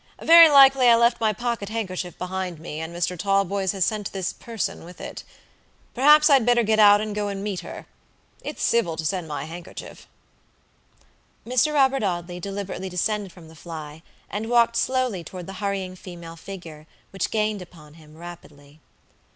Very likely I left my pocket handkerchief behind me, and Mr. Talboys has sent this person with it. Perhaps I'd better get out and go and meet her. It's civil to send my handkerchief." Mr. Robert Audley deliberately descended from the fly and walked slowly toward the hurrying female figure, which gained upon him rapidly.